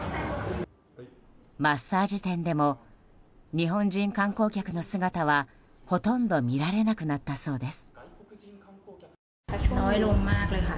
マッサージ店でも日本人観光客の姿はほとんど見られなくなったそうです。